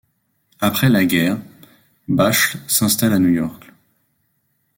Après la guerre, Bachle s'installe à New York.